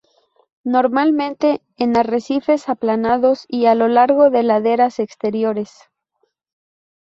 Normalmente en arrecifes aplanados y a lo largo de laderas exteriores.